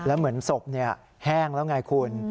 แล้วเหมือนศพแห้งแล้วไงคุณ